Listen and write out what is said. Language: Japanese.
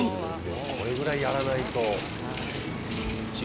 これぐらいやらないと。